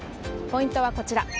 ポイントはこちら。